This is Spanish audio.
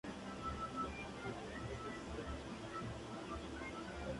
Cabe mencionar su importancia como centro educativo.